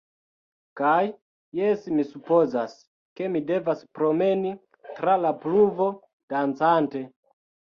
Kaj, jes mi supozas, ke mi devas promeni tra la pluvo, dancante.